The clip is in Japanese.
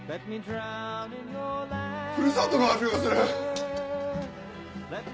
ふるさとの味がする！